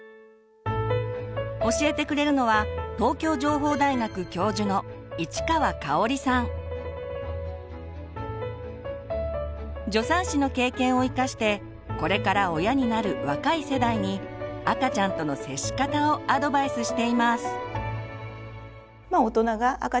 教えてくれるのは助産師の経験を生かしてこれから親になる若い世代に赤ちゃんとの接し方をアドバイスしています。